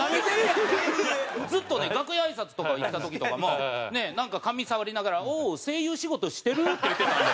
ずっとね楽屋あいさつとか行った時とかもなんか髪触りながら「おう！声優仕事してる？」って言ってたんで。